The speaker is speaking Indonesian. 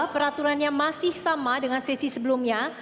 peraturannya masih sama dengan sesi sebelumnya